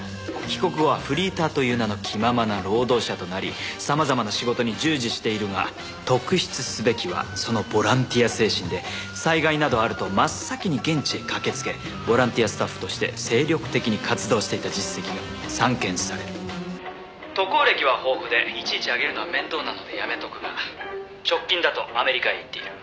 「帰国後はフリーターという名の気ままな労働者となり様々な仕事に従事しているが特筆すべきはそのボランティア精神で災害などあると真っ先に現地へ駆けつけボランティアスタッフとして精力的に活動していた実績が散見される」「渡航歴は豊富でいちいち挙げるのは面倒なのでやめとくが直近だとアメリカへ行っている」